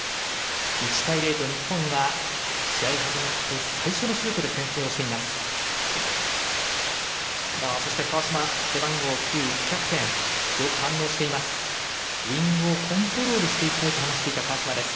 １対０と日本が試合始まって最初のシュートで先制をしています。